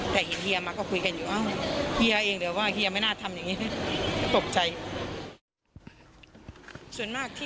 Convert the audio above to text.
แต่เห็นเฮียมาก็คุยกันอยู่อ้าวเฮียเองเดี๋ยวว่าเฮียไม่น่าทำอย่างนี้นะตกใจ